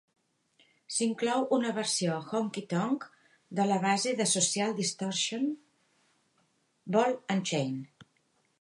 S'inclou una versió honky-tonk de la base de Social Distorsion, "Ball and Chain".